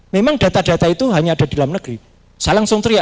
memang data data itu hanya ada di luar negeri